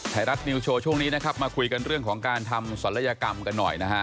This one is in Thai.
ไทยรัฐนิวโชว์ช่วงนี้นะครับมาคุยกันเรื่องของการทำศัลยกรรมกันหน่อยนะฮะ